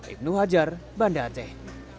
ibnu hajar banda aceh